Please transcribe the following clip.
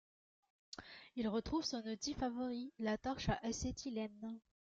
Il retrouve son outil favori, la torche à acétylène.